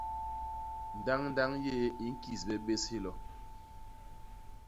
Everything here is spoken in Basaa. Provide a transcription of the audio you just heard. Ndandañg yéé i ñkis bé bés hilo.